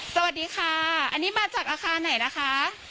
สวัสดีค่ะอันนี้มาจากอาคารไหนนะคะ